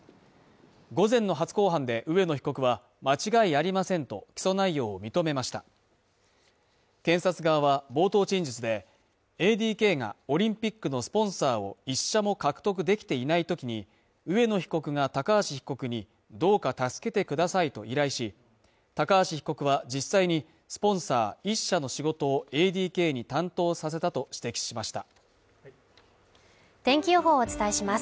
午前の初公判で植野被告は間違いありませんと起訴内容を認めました検察側は冒頭陳述でＡＤＫがオリンピックのスポンサーを１社も獲得できていないときに植野被告が高橋被告にどうか助けてくださいと依頼し高橋被告は実際にスポンサー１社の仕事をＡＤＫに担当させたと指摘しました天気予報をお伝えします